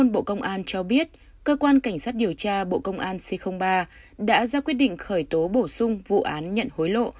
bộ công an cho biết cơ quan cảnh sát điều tra bộ công an c ba đã ra quyết định khởi tố bổ sung vụ án nhận hối lộ